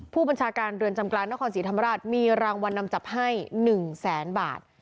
ผู้บัญชาการเรือนจำกลางนครศรีธรรมราชมีรางวัลนำจับให้๑แสนบาท